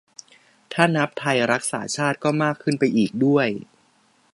ถ้านับไทยรักษาชาติก็มากขึ้นไปอีกด้วย